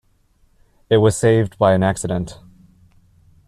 It was saved by an accident.